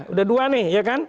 udah dua nih ya kan